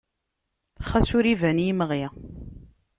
Xas ur i yi-ban imɣi.